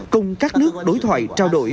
cùng các nước đối thoại trao đổi